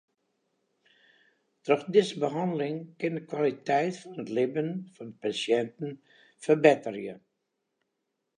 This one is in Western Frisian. Troch dizze behanneling kin de kwaliteit fan libben fan de pasjinten ferbetterje.